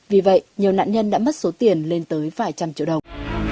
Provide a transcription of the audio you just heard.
vì vậy nhiều nạn nhân đã mất số tiền lên tới vài trăm triệu đồng